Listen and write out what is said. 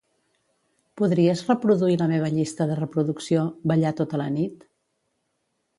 Podries reproduir la meva llista de reproducció "ballar tota la nit"?